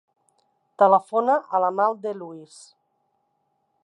Telefona a l'Amal De Luis.